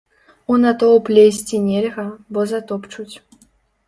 У натоўп лезці нельга, бо затопчуць.